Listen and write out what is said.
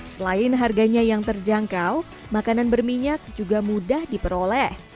selain harganya yang terjangkau makanan berminyak juga mudah diperoleh